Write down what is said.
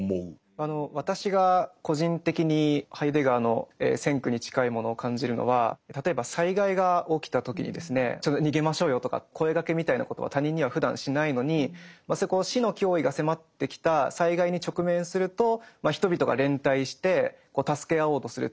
私が個人的にハイデガーの「先駆」に近いものを感じるのは例えば災害が起きた時にですねちょっと逃げましょうよとか声がけみたいなことは他人にはふだんしないのに死の脅威が迫ってきた災害に直面すると人々が連帯して助け合おうとする。